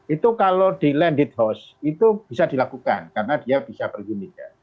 itu kalau di landed house itu bisa dilakukan karena dia bisa pergi